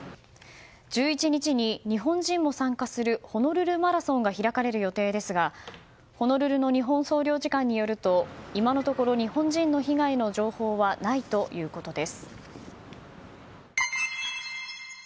１１日に、日本人も参加するホノルルマラソンが開かれる予定ですがホノルルの日本総領事館によると今のところ日本人の被害の情報はないということです。